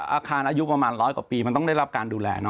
อาคารอายุประมาณร้อยกว่าปีมันต้องได้รับการดูแล